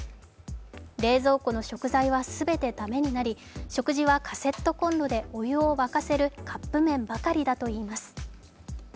冷蔵庫の食材は全て駄目になり、食事はカセットコンロでお湯を沸かせるカップ麺ばかりだといいます。